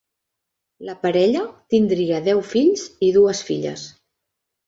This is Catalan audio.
La parella tindria deu fills i dues filles.